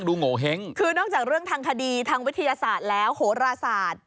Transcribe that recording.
โงเห้งคือนอกจากเรื่องทางคดีทางวิทยาศาสตร์แล้วโหราศาสตร์